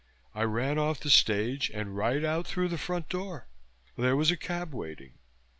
I ran off the stage and right out through the front door. There was a cab waiting.